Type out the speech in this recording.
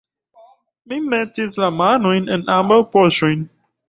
Mi metis la manojn en ambaŭ poŝojn.